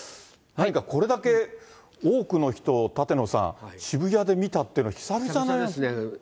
何かこれだけ多くの人を舘野さん、渋谷で見たっていうのは、久々ですね。